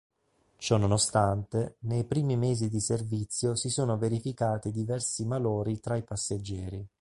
Ciononostante, nei primi mesi di servizio si sono verificati diversi malori tra i passeggeri.